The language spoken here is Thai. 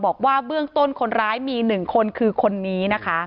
บอกว่าเบื้องต้นคนร้ายมี๑คนคือคนนี้นะคะ